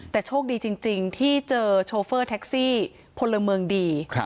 แต่โชคดีจริงที่เจอโชเฟอร์แท็กซี่พลเมืองดี